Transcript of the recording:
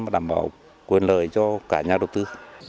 và đảm bảo quyền lợi cho cả nhà đầu tư